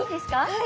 はい。